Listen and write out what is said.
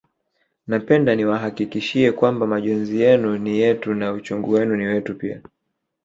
Napenda niwahakikishie kwamba majonzi yenu ni yetu na uchungu wenu ni wetu pia